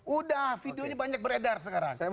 udah videonya banyak beredar sekarang